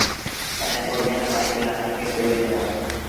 ائيٚݩ پو ٻيآ مآئيٚٽ لآش کي ڪُلهو ڏيݩ دآ